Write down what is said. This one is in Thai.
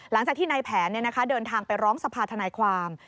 หลังจากที่ในแผนเดินทางไปร้องสภาธนายความ